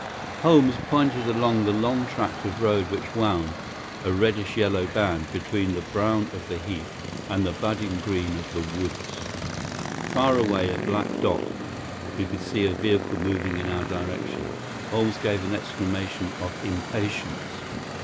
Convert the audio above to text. Holmes pointed down the long tract of road which wound, a reddish yellow band, between the brown of the heath and the budding green of the woods. Far away, a black dot, we could see a vehicle moving in our direction. Holmes gave an exclamation of impatience.